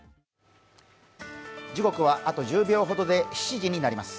時刻はあと１０秒ほどで７時になります。